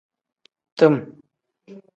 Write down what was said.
Tim.